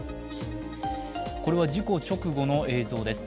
これは事故直後の映像です。